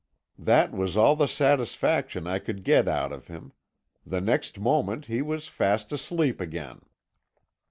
"That was all the satisfaction I could get out of him; the next moment he was fast asleep again.